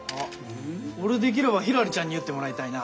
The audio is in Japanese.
俺できればひらりちゃんに結ってもらいたいな。